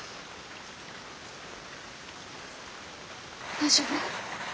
大丈夫？